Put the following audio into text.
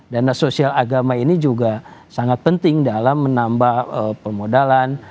dan sosial agama ini juga sangat penting dalam menambah pemodalan